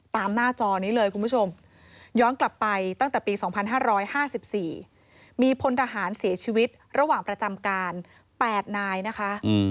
หน้าจอนี้เลยคุณผู้ชมย้อนกลับไปตั้งแต่ปี๒๕๕๔มีพลทหารเสียชีวิตระหว่างประจำการ๘นายนะคะ